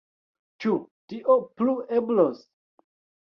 Ĉu tio plu eblos?